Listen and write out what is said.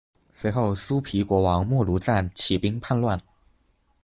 随后苏毗国王没庐赞起兵叛乱。